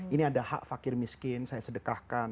ini ada hak fakir miskin saya sedekahkan